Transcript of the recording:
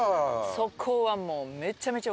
そこはもうめちゃめちゃおいしい。